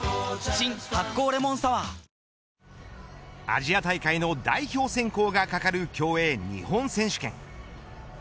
アジア大会の代表選考がかかる競泳日本選手権。